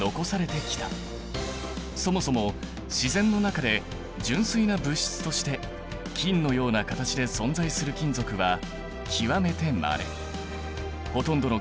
そもそも自然の中で純粋な物質として金のような形で存在する金属は極めてまれ。